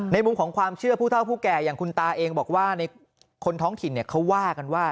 มุมของความเชื่อผู้เท่าผู้แก่อย่างคุณตาเองบอกว่าในคนท้องถิ่นเขาว่ากันว่า